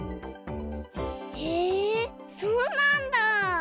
へえそうなんだ。